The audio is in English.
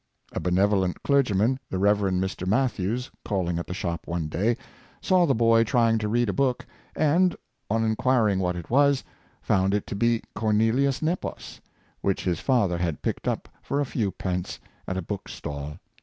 A benevolent clergyman, the Rev. Mr. Matthews, calling at the shop one day, saw the boy try ing to read a book, and, on inquiring what it was, found it to be a Cornelius Nepos, which his father had picked up for a few pence at a book stall.